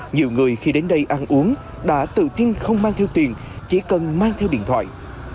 nhiều người khi đến đây ăn uống đã tự tin không mang theo tiền chỉ cần mang theo điện thoại